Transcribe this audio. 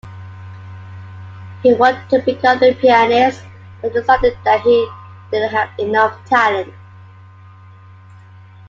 He wanted to become a pianist, but decided that he didn't have enough talent.